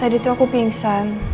tadi tuh aku pingsan